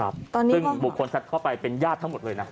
ซึ่งบุคคลสัดเข้าไปเป็นญาติทั้งหมดเลยนะ